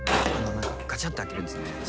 ガチャッて開けるんですね。